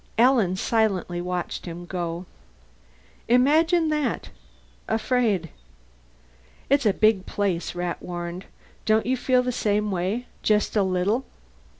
Alan silently watched him go. "Imagine that. Afraid!" "It's a big place," Rat warned. "Don't you feel the same way? Just a little?"